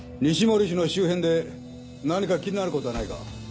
西森氏の周辺で何か気になることはないか？